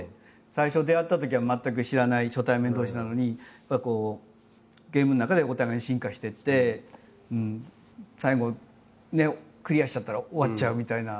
最初出会ったときは全く知らない初対面同士なのにやっぱこうゲームの中でお互い進化してって最後ねクリアしちゃったら終わっちゃうみたいな。